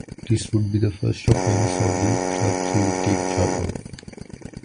This would the first of many Saudi clubs he would take charge of.